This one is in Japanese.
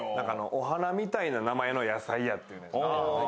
お花みたいな名前の野菜やいうんですよね。